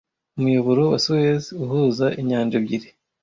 Umuyoboro wa Suez uhuza inyanja ebyiri